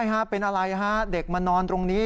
ใช่ฮะเป็นอะไรฮะเด็กมานอนตรงนี้